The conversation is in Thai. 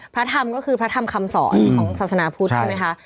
พระธรรมก็คือพระธรรมคำสอนของศาสนาพุทธใช่ไหมคะ